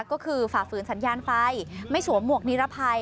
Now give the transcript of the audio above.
ก็คือฝ่าฝืนสัญญาณไฟไม่สวมหมวกนิรภัย